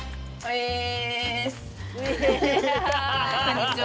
こんにちは。